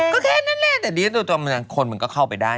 ก็แค่นั่นเองแต่ดีคนมึงก็เข้าไปได้